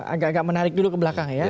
agak agak menarik dulu ke belakang ya